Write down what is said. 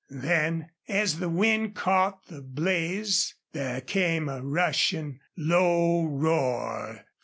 Then as the wind caught the blaze there came a rushing, low roar.